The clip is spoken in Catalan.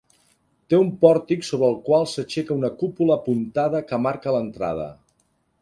Té un pòrtic sobre el qual s'aixeca una cúpula apuntada que marca l'entrada.